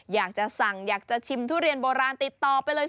อยากจะสั่งอยากจะชิมทุเรียนโบราณติดต่อไปเลย